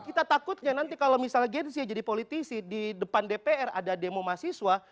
kita takutnya nanti kalau misalnya gen z jadi politisi di depan dpr ada demo mahasiswa